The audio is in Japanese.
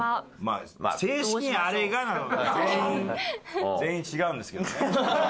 正式には「あれが」なので全員全員違うんですけどね。